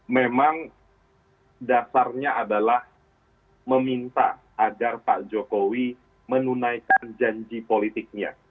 memang dasarnya adalah meminta agar pak jokowi menunaikan janji politiknya